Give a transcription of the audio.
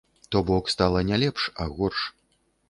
То бок стала не лепш, а горш.